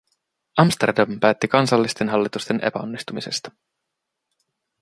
Amsterdam päätti kansallisten hallitusten epäonnistumisesta.